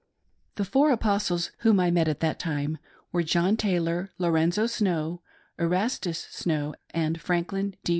The four Apostles whom I met at that time were John Tay i lor, Lorenzo Snow, Erastus Snow, and Franklin D.